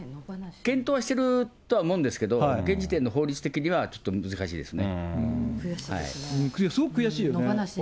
検討はしてるんだと思うんですけど、現時点の法律的にはちょ悔しいですね。